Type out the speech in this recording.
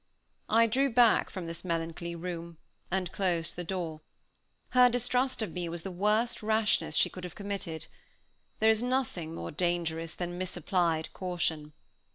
I drew back from this melancholy room, and closed the door. Her distrust of me was the worst rashness she could have committed. There is nothing more dangerous than misapplied caution.